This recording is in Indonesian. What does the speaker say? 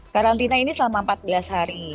karantina ini selama empat belas hari